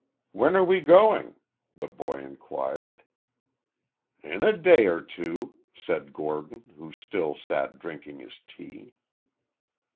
"When are we going?" the boy inquired. "In a day or two," said Gordon, who still sat drinking his tea.